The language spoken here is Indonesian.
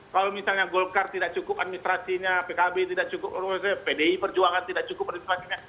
kalau misalnya golkar tidak cukup administrasinya pkb tidak cukup pdi perjuangan tidak cukup administrasinya